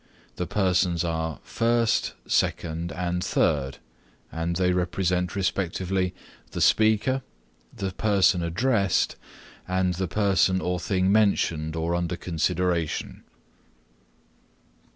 The Persons are First, Second and Third and they represent respectively the speaker, the person addressed and the person or thing mentioned or under consideration.